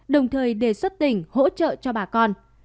đồng thời đề xuất tỉnh hỗ trợ cho bà con